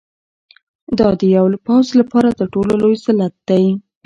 دا د یو پوځ لپاره تر ټولو لوی ذلت دی.